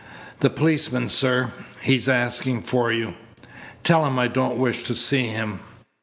"The policeman, sir! He's asking for you." "Tell him I don't wish to see him."